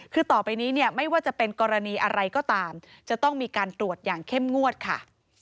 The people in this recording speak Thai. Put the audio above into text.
คือต่อไปนี้เนี่ยไม่ว่าจะเป็นกรณีอะไรก็ตามจะต้องมีการตรวจอย่างเข้มงวดค่ะ